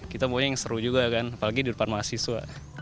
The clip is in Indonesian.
kita banyak yang seru juga kan apalagi di depan mahasiswa